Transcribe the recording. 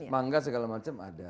mangga segala macam ada